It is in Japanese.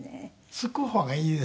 すく方がいいですね